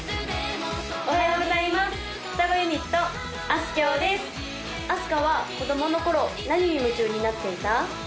あすかは子供の頃何に夢中になっていた？